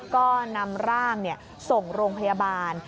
ก็นำร่างส่งโรงพยาบาล